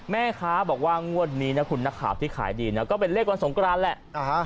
แม่ค้าบอกว่างวดนี้นะคุณนักข่าวที่ขายดีนะก็เป็นเลขวันสงกรานแหละ